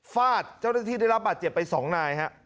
ฟาดเจ้าหน้าที่ได้รับบาดเจ็บไป๒นายฮะ